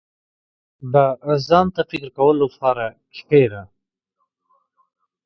• د ځان ته فکر کولو لپاره کښېنه.